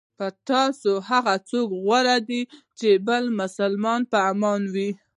په تاسو کې هغه څوک غوره دی چې بل مسلمان په امان وي.